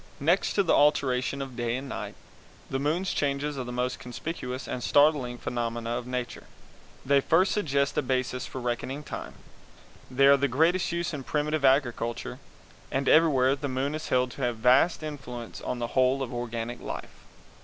Next to the alteration of day and night, the moon's changes are the most conspicuous and startling phenomena of Nature; they first suggest a basis for reckoning time; they are of the greatest use in primitive agriculture; and everywhere the moon is held to have vast influence on the whole of organic life.